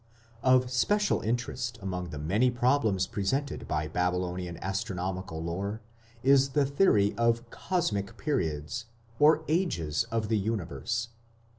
Of special interest among the many problems presented by Babylonian astronomical lore is the theory of Cosmic periods or Ages of the Universe.